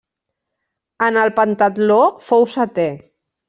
En el pentatló fou setè.